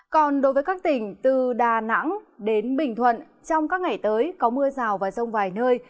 còn đối với các tỉnh từ đà nẵng đến bình thuận trong các ngày tới có mưa rào và rông vài nơi